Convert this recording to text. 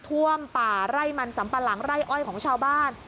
ท่วมป่าไร่มันสัมปะหลังไร่อ้อยของชาวบ้าน